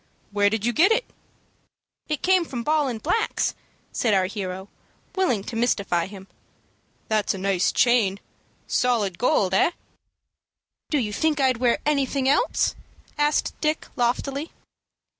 "Where did you get it?" "It came from Ball & Black's," said our hero, willing to mystify him. "That's a nice chain, solid gold, eh?" "Do you think I'd wear anything else?" asked Dick, loftily.